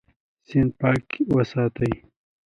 سیند پاک وساتئ.